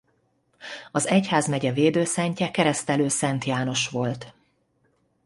Az egyházmegye védőszentje Keresztelő Szent János volt.